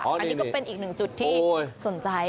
อันนี้ก็เป็นอีกหนึ่งจุดที่สนใจ